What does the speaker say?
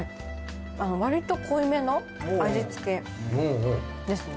わりと濃いめの味付けですね。